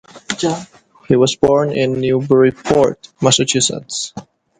He was born in Newburyport, Massachusetts.